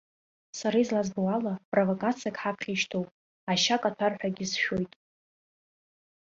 Сара излазбо ала, провокациак ҳаԥхьа ишьҭоуп, ашьа каҭәар ҳәагьы сшәоит.